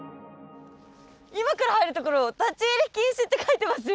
今から入るところ立ち入り禁止って書いてますよ。